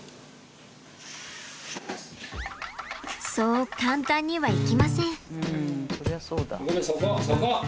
そう簡単にはいきません。